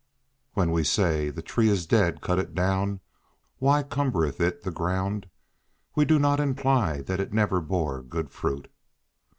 When we say—"The tree is dead; cut it down, why cumbereth it the ground?" we do not imply that it never bore good fruit.